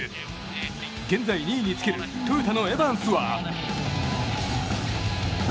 現在２位につけるトヨタのエバンスは。